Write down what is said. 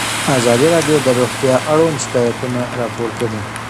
ازادي راډیو د روغتیا اړوند شکایتونه راپور کړي.